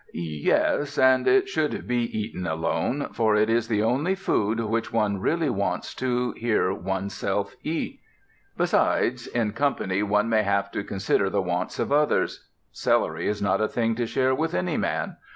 Yes, and it should be eaten alone, for it is the only food which one really wants to hear oneself eat. Besides, in company one may have to consider the wants of others. Celery is not a thing to share with any man.